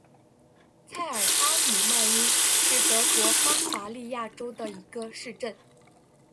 蔡尔阿姆迈因是德国巴伐利亚州的一个市镇。